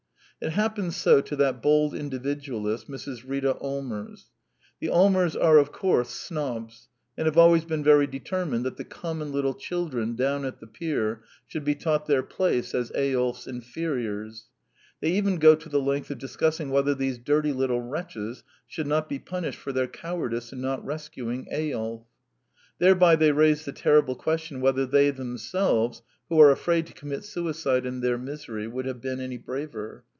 It happens so to that bold Individualist, Mrs. Rita Allmers. The Allmers are, of course, snobs, and have always been very determined that the common little children down at the pier should be taught their place as Eyolf's inferiors. They even go the length of discussing whether these dirty little wretches should not be punished for their cowardice in not rescuing Eyolf. Thereby they raise the terrible question whether they them selves, who are afraid to commit suicide in their misery, would have been any braver.